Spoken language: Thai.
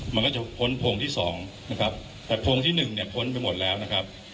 มันก็จะพ้นโพงที่สองนะครับแต่โพงที่หนึ่งเนี่ยพ้นไปหมดแล้วนะครับ